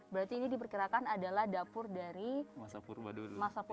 berarti ini diperkirakan adalah dapur dari masa purba dulu